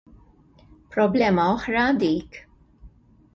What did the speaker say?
Problema oħra dik.